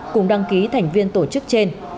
cùng đăng ký thành viên tổ chức trên